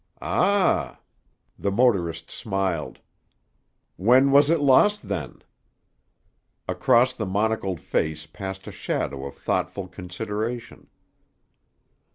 "Ah!" The motorist smiled. "When was it lost, then?" Across the monocled face passed a shadow of thoughtful consideration.